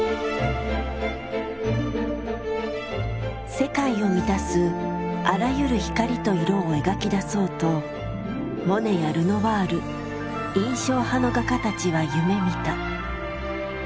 世界を満たすあらゆる光と色を描き出そうとモネやルノワール印象派の画家たちは夢みた。